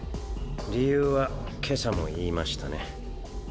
理由は今朝も言いましたね。